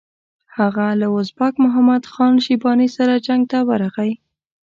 هغه له ازبک محمد خان شیباني سره جنګ ته ورغی.